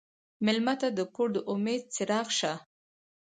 مېلمه ته د کور د امید څراغ شه.